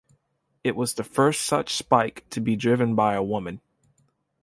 It was the first such spike to be driven by a woman.